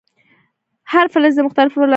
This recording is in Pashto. هر فلز دې مختلف ولانسونه ولري.